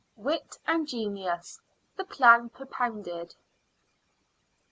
WIT AND GENIUS: THE PLAN PROPOUNDED.